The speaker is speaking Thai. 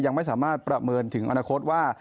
ยังไม่สามารถประเมินถึงอนาคตว่า